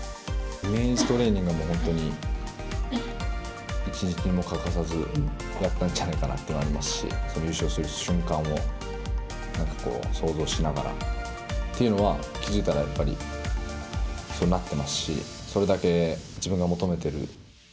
イメージトレーニングはもう本当に、一日も欠かさずやったんじゃないかというのもありますし、その優勝する瞬間を、なんかこう想像しながら、っていうのは気付いたら、やっぱりそうなってますし、それだけ自分が求めてる。